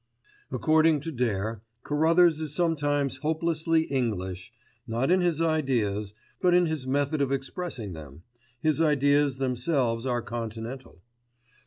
According to Dare, Carruthers is sometimes hopelessly English, not in his ideas; but in his method of expressing them—his ideas themselves are Continental.